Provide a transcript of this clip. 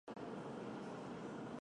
行政中心位于阿姆施泰滕。